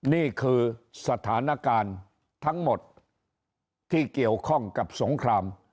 นี่คือสถานการณ์ทั้งหมดที่เกี่ยวข้องกับสงคราม